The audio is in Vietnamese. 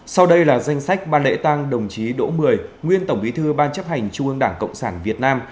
sau đây là danh sách ban lễ tang đồng chí đỗ mười nguyên tổng bí thư ban chấp hành trung ương đảng cộng sản việt nam